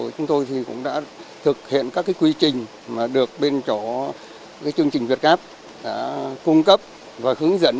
chúng tôi cũng đã thực hiện các quy trình mà được bên chỗ chương trình việt gáp đã cung cấp và hướng dẫn